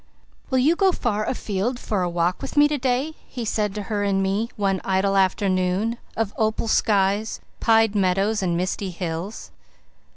"Will you go far afield for a walk with me to day?" he said to her and me, one idle afternoon of opal skies, pied meadows and misty hills.